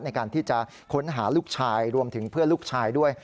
ในการที่จะค้นหาลูกชายรวมถึงเพื่อนลูกชายด้วย